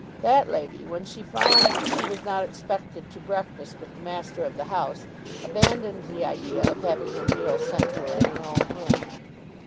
That lady, when she found that she was not expected to breakfast with the master of the house, abandoned the idea of having her meal sent to her in her own room.